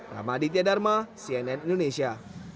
ramaditya dharma cnn indonesia